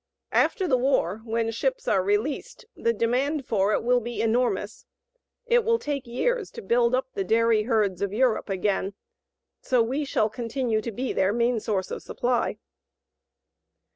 After the war, when ships are released, the demand for it will be enormous. It will take years to build up the dairy herds of Europe again, so we shall continue to be their main source of supply.